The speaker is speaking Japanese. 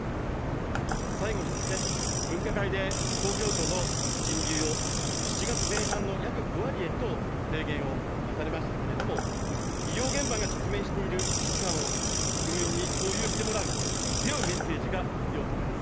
最後にですね、分科会で東京都の人流を、７月前半の約５割へと提言をされましたけれども、医療現場が直面している危機感を国民に共有してもらう、強いメッセージが必要と思います。